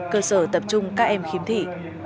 cơ sở tập trung các em khiếm thị